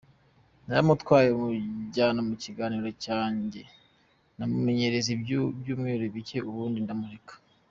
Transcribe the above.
Naramutwaye mujyana mu kiganiro cyanjye, mumenyereza ibyumweru bike ubundi ndamureka.